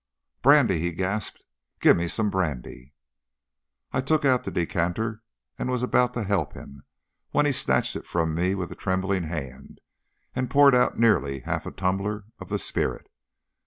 "Brandy!" he gasped. "Give me some brandy!" I took out the decanter, and was about to help him, when he snatched it from me with a trembling hand, and poured out nearly half a tumbler of the spirit.